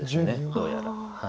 どうやら。